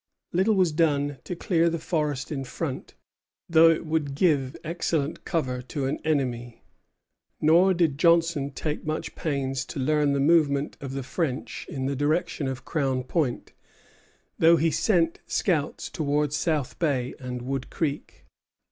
Little was done to clear the forest in front, though it would give excellent cover to an enemy. Nor did Johnson take much pains to learn the movements of the French in the direction of Crown Point, though he sent scouts towards South Bay and Wood Creek.